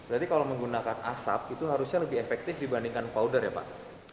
berarti kalau menggunakan asap itu harusnya lebih efektif dibandingkan powder ya pak